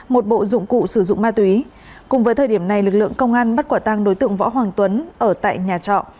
một bộ dụng cụ sử dụng ma túy cùng với thời điểm này lực lượng công an bắt quả tăng đối tượng võ hoàng tuấn ở tại nhà trọ